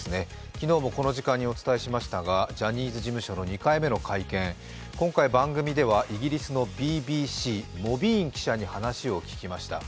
昨日もこの時間にお伝えしましたがジャニーズ事務所の２回目の会見、今回、番組ではイギリスのＢＢＣ、モビーン記者に話を伺いました。